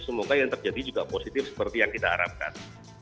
semoga yang terjadi juga positif seperti yang kita harapkan